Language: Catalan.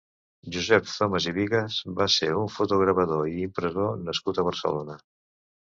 Josep Thomas i Bigas va ser un fotogravador i impressor nascut a Barcelona.